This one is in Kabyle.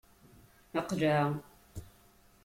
Qleɛ!